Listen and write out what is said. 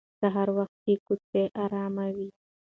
سهار وختي کوڅې ارامې وي